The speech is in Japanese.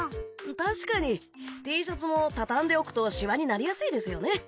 たしかにＴシャツもたたんでおくとシワになりやすいですよね。